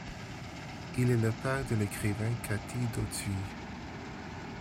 Il est le père de l'écrivain Kathy Dauthuille.